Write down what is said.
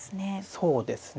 そうですね。